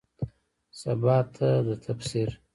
سباته ده تفسیر